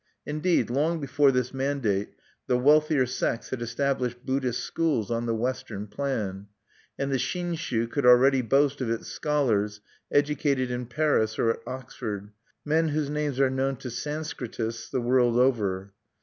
Indeed, long before this mandate the wealthier sects had established Buddhist schools on the Western plan; and the Shinshu could already boast of its scholars, educated in Paris or at Oxford, men whose names are known to Sanscritists the world over.